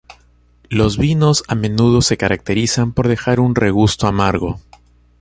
Los vinos a menudo se caracterizan por dejar un regusto amargo.